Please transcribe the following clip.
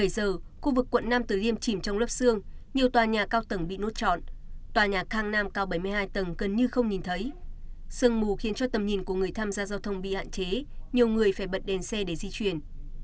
sương mù khiến cho tầm nhìn của người tham gia giao thông bị hạn chế nhiều người phải bật đèn xe để di chuyển